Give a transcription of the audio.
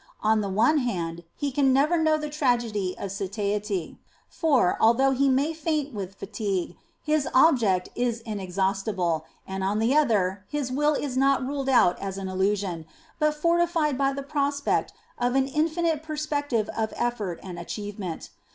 On the one hand he can never know the tragedy of satiety, for, although he may faint with fatigue, his object is inexhaustible, and, on the other, his will is not ruled out as an illusion, but fortified by the prospect of an infinite perspective of effort and achievement.